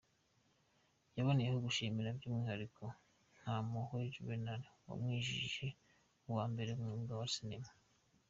Yaboneyeho gushimira by’umwihariko Ntampuhwe Juven wamwinjije bwa mbere mu mwuga wa cinema.